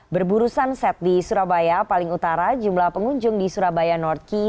berburusan set di surabaya paling utara jumlah pengunjung di surabaya north key